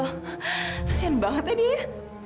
kasian banget ya dia